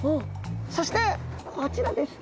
そしてこちらです。